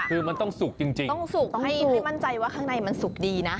คือมันต้องสุกจริงต้องสุกให้มั่นใจว่าข้างในมันสุกดีนะ